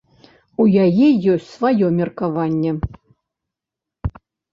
У яе ёсць сваё меркаванне.